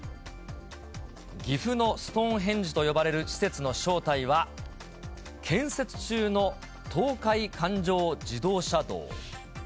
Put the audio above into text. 岐阜のストーンヘンジと呼ばれる施設の正体は、建設中の東海環状自動車道。